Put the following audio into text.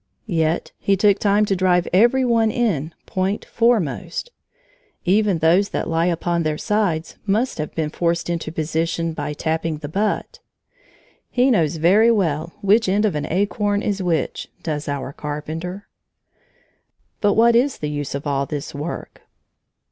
Yet he took time to drive every one in point foremost. Even those that lie upon their sides must have been forced into position by tapping the butt. He knows very well which end of an acorn is which, does our Carpenter. But what is the use of all this work?